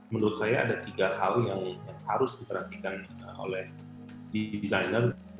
menurut saya ada tiga hal yang harus diperhatikan oleh designer